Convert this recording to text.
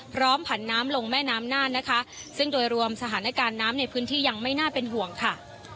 ผันน้ำลงแม่น้ำน่านนะคะซึ่งโดยรวมสถานการณ์น้ำในพื้นที่ยังไม่น่าเป็นห่วงค่ะ